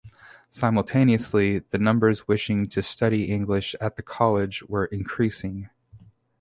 Simultaneously, the numbers wishing to study English at the college were increasing.